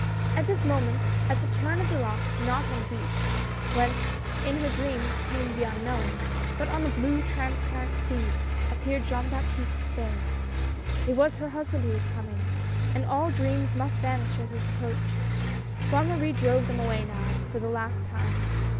At this moment, at the turn of the rock, not on the beach whence in her dreams, came the unknown — but on the blue transparent sea — appeared Jean Baptiste's sail. It was her husband who was coming — and all dreams must vanish at his approach. Bonne Marie drove them away now for the last time.